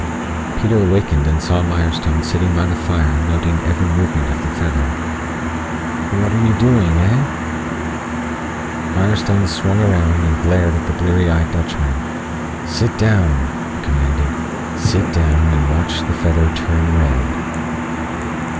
Peter awakened and saw Mirestone sitting by the fire noting every movement of the feather. "What are you doing, heh?" Mirestone swung around and glared at the bleary eyed Dutchman. "Sit down," he commanded. "Sit down and watch the feather turn red."